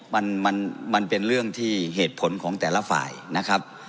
มันมันเป็นเรื่องที่เหตุผลของแต่ละฝ่ายนะครับ